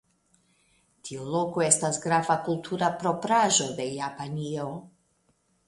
Tiu loko estas grava kultura propraĵo de Japanio.